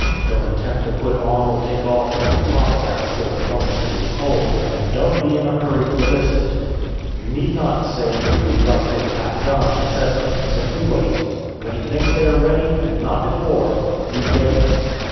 Don't attempt to put on or take off from the top of that skillet one single coal, and don't be in a hurry for the biscuit. You need not say you "like yours half done," etc. Simply wait. When he thinks they are ready, and not before, you get them.